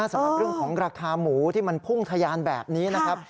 สำหรับเรื่องของราคาหมูที่มันพุ่งทะยานแบบนี้นะครับ